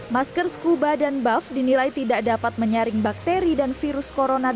masker scuba dan buff dinilai tidak dapat menyaring bakteri dan virus corona